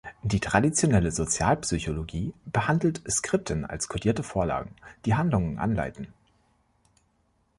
Die traditionelle Sozialpsychologie behandelt Skripten als codierte Vorlagen, die Handlungen anleiten.